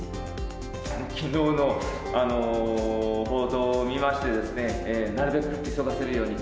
きのうの報道を見ましてですね、なるべく急がせるように。